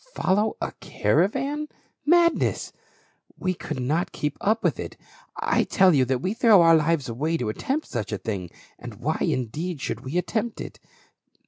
Follow a caravan ? Madness ! We could not keep up with it. I tell you that we throw our lives away to attempt such a thing ; and why, indeed, should we attempt it?